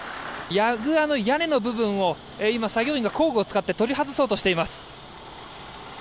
やぐらの屋根の部分を今、作業員が工具を使って取り外そうとしています。